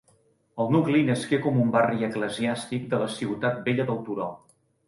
El nucli nasqué com un barri eclesiàstic de la ciutat vella del turó.